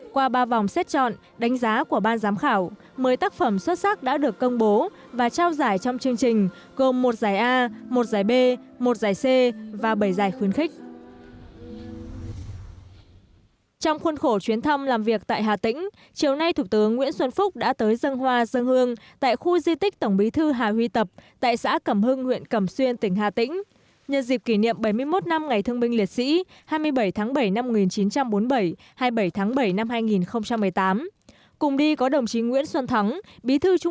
qua ba vòng xét chọn đánh giá của ban giám khảo một mươi tác phẩm xuất sắc đã được công bố và trao giải trong chương trình gồm một giải a một giải b một giải c và bảy giải khuyến khích